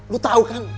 lo tau kan